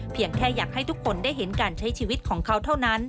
แค่อยากให้ทุกคนได้เห็นการใช้ชีวิตของเขาเท่านั้น